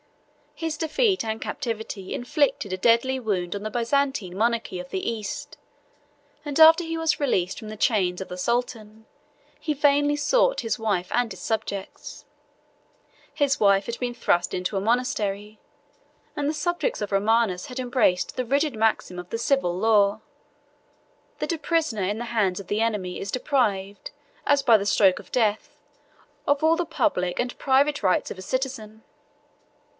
His defeat and captivity inflicted a deadly wound on the Byzantine monarchy of the East; and after he was released from the chains of the sultan, he vainly sought his wife and his subjects. His wife had been thrust into a monastery, and the subjects of Romanus had embraced the rigid maxim of the civil law, that a prisoner in the hands of the enemy is deprived, as by the stroke of death, of all the public and private rights of a citizen.